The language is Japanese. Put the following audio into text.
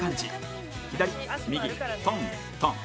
左右トントン